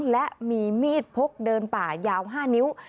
และมีมีดพกเดินป่ายาว๕นิ้ว